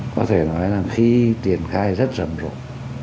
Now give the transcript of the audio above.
có thể nói là khi tiền khai rất rầm rộng